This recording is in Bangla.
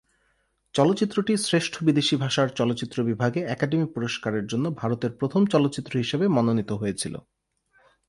চলচ্চিত্রটি শ্রেষ্ঠ বিদেশী ভাষার চলচ্চিত্র বিভাগে একাডেমি পুরস্কারের জন্য ভারতের প্রথম চলচ্চিত্র হিসেবে মনোনীত হয়েছিল।